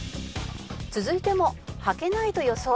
続いても「はけない」と予想。